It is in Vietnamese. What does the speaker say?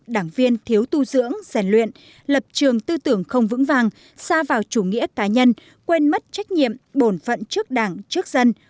đảng viên thiếu tu dưỡng rèn luyện lập trường tư tưởng không vững vàng xa vào chủ nghĩa cá nhân quên mất trách nhiệm bổn phận trước đảng trước dân